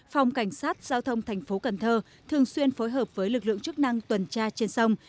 phòng cảnh sát giao thông thành phố cần thơ thường xuyên phối hợp với lực lượng chức năng tuần tra trên sông